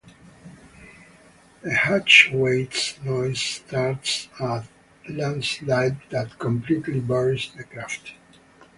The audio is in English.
The hatchway's noise starts a landslide that completely buries the craft.